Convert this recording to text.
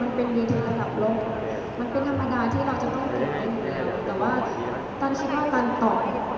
มันเป็นดีเทอร์ระดับโลกมันเป็นอันตรายที่เราจะต้องกลับมาอยู่แล้วแต่ว่าตันคิดว่าการตอบ